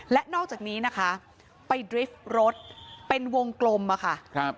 และนอกจากนี้นะคะไปดริฟท์รถเป็นวงกลมอะค่ะ